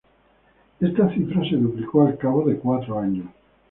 Esta cifra se duplicó al cabo de cuatro años.